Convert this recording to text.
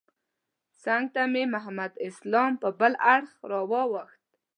څنګ ته مې محمد اسلام په بل اړخ واوښت.